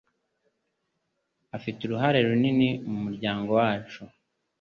Afite uruhare runini mumuryango wacu.